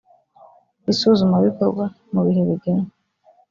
isuzumabikorwa mu bihe bigenwa